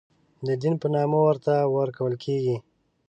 دین په نامه ورته ورکول کېږي.